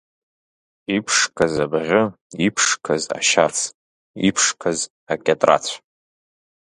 Иԥшқаз абӷьы, иԥшқаз ашьац, иԥшқаз акьатрацә.